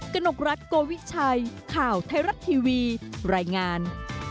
กนกรัฐโกวิชัยข่าวไทยรัฐทีวีรายงาน